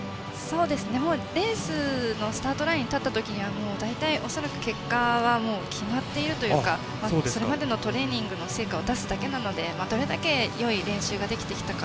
レースのスタートラインに立った時は大体、恐らく結果は決まっているというかそれまでのトレーニングの成果を出すだけなのでどれだけ、いい練習ができてきたか。